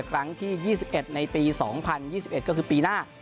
ครั้งที่ยี่สิบเอ็ดในปีสองพันยี่สิบเอ็ดก็คือปีหน้า